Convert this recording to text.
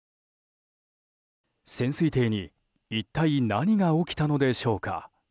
潜水艇に一体何が起きたのでしょうか。